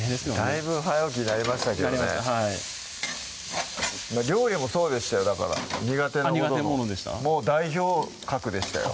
だいぶ早起きになりましたけどね料理もそうでしたよだから苦手なことの代表格でしたよ